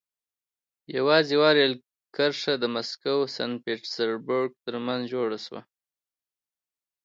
یوازې یوه رېل کرښه د مسکو سن پټزربورګ ترمنځ جوړه شوه.